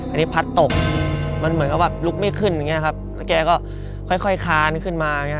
อันนี้พัดตกมันเหมือนก็แบบลุกไม่ขึ้นแกก็ค่อยค้านขึ้นมา